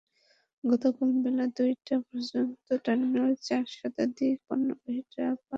গতকাল বেলা দুইটা পর্যন্ত টার্মিনালে চার শতাধিক পণ্যবাহী ট্রাক পার্ক করা ছিল।